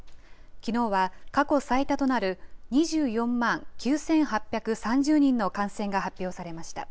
きのうは過去最多となる、２４万９８３０人の感染が発表されました。